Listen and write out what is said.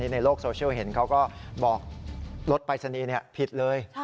ในโลกโซเชียลเห็นเขาก็บอกรถปรายศนีย์ผิดเลย